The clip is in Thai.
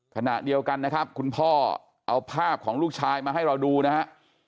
ขณะเดียวกันนะครับคุณพ่อเอาภาพของลูกชายมาให้เราดูนะฮะ